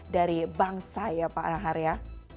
dari bangsa ya pak rahar ya